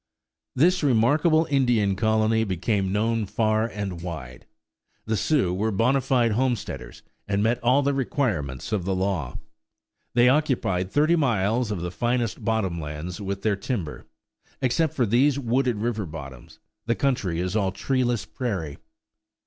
This remarkable Indian colony became known far and wide. The Sioux were bona fide homesteaders and met all the requirements of the law. They occupied thirty miles of the finest bottom lands with their timber; except for these wooded river bottoms, the country is all treeless prairie.